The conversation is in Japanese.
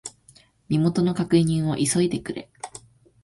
身元の確認を急いでくれ。